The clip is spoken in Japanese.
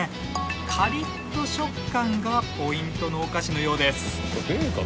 カリッと食感がポイントのお菓子のようです。